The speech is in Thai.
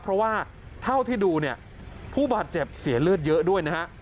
เพราะว่าเท่าที่ดูเนี่ยผู้บาดเจ็บเสียเลือดเยอะด้วยนะฮะ